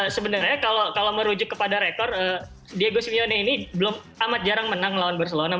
sebenarnya kalau merujuk kepada rekor diego sulyone ini belum amat jarang menang melawan barcelona